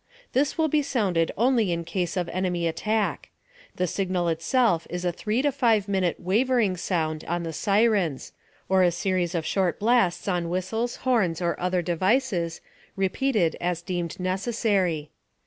This will be sounded only in case of enemy attack. The signal itself is a 3 to 5 minute wavering sound on the sirens, or a series of short blasts on whistles, horns or other devices, repeated as deemed necessary.